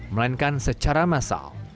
melainkan secara masal